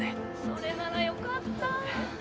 それならよかった。